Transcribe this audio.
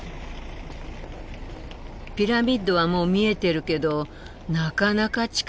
ピラミッドはもう見えてるけどなかなか近くならないわね。